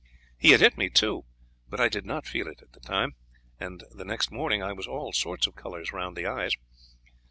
He had hit me too, but I did not feel it at the time, and next morning I was all sorts of colours round the eyes.